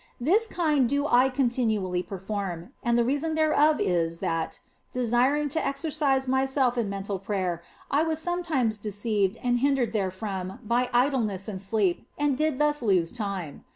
This kind do I continually perform ; and the reason thereof is, that, desiring to exercise myself in mental prayer, I was sometimes deceived and hindered therefrom by idleness and sleep, and did thus lose time.